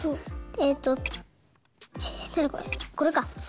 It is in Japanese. えっとちこれか。